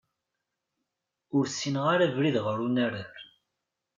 Ur ssineɣ ara abrid ɣer unarar.